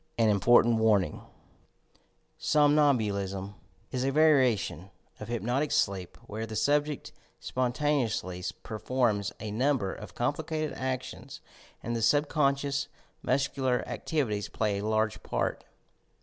AN IMPORTANT WARNING Somnambulism is a variation of hypnotic sleep where the subject spontaneously performs a number of com plicated actions and the subconscious muscular activi ties play a large part.